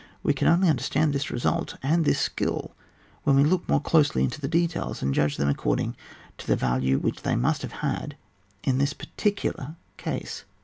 We can only understand this result and this skill when we look more closely into details, and judge of them according to the value which they must have had in this particular case.